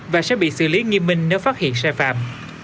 và sẽ bị xử lý nghiêm minh nếu phát hiện sai phạm